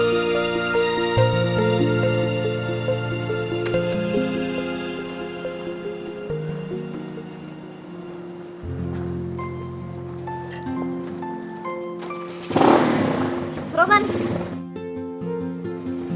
semoga nggak hujan lagi